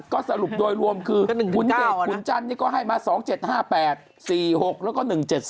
ก็สรุปโดยรวมคือคุณเดชขุนจันทร์นี่ก็ให้มา๒๗๕๘๔๖แล้วก็๑๗๒